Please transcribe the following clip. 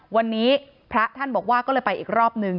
วันนี้พระท่านบอกว่าก็เลยไปอีกรอบนึง